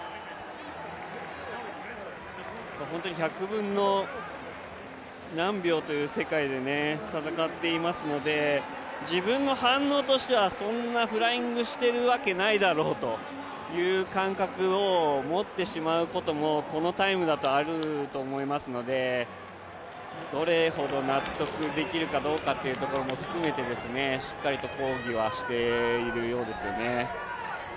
１００分の何秒という世界で戦っていますので、自分の反応としては、そんなフライングしているわけないだろうという感覚を持ってしまうこともこのタイムだとあると思いますのでどれほど納得できるかどうかというところも含めてしっかりと抗議はしているようですよね。